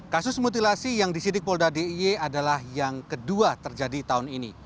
kasus mutilasi yang disidik polda d i e adalah yang kedua terjadi tahun ini